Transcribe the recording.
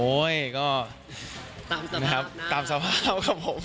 โอ้ยก็ตามสภาพครับผม